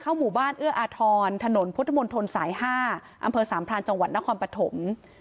หมู่บ้านเอื้ออาทรถนนพุทธมนตรสาย๕อำเภอสามพรานจังหวัดนครปฐม